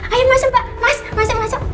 ayo masuk mbak masuk masuk masuk